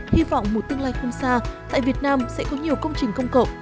hy vọng một tương lai không xa tại việt nam sẽ có nhiều công trình công cộng